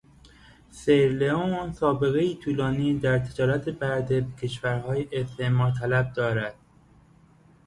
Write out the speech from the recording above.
سیرالئون سابقهای طولانی در تجارت برده به کشورهای استعمار طلب دارد